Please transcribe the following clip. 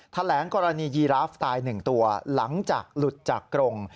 แถลงกรณียีราฟสไตล์๑ตัวหลังจากหลุดจากกรง